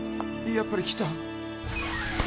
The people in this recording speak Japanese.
やっぱり来た？